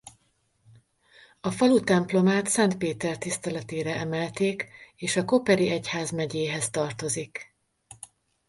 A falu templomát Szent Péter tiszteletére emelték és a Koperi egyházmegyéhez tartozik.